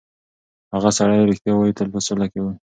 هغه سړی چې رښتیا وایي، تل په سوله کې وي.